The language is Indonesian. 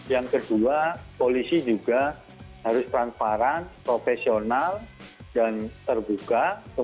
yang kedua polisi juga harus transparan profesional dan terbuka